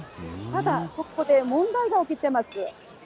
ただ、ここで問題が起きています。